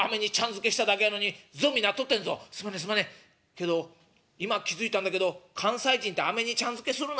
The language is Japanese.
けど今気付いたんだけど関西人ってアメにちゃんづけするのかよ」。